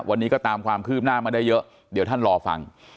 วันนี้ก็ตามความคืบหน้ามาได้เยอะเดี๋ยวท่านรอฟัง